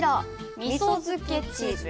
「みそ漬け」チーズ。